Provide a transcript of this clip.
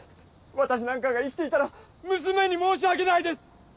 私なんかが生きていたら娘に申し訳ないです！